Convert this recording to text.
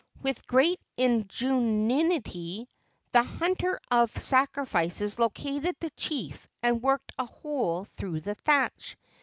With great ingenuity the hunter of sacrifices located the chief and worked a hole through the thatch.